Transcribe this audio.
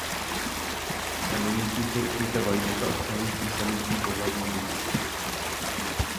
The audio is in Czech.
V semeníku jsou ukryta vajíčka obsahující samičí pohlavní buňky.